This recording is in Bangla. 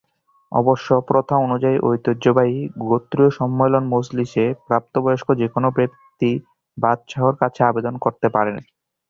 অবশ্য প্রথা অনুযায়ী ঐতিহ্যবাহী "গোত্রীয় সম্মেলন মজলিসে" প্রাপ্ত বয়স্ক যেকোনো ব্যক্তি বাদশাহর কাছে আবেদন করতে পারে।